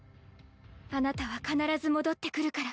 あなたは必ず戻ってくるから。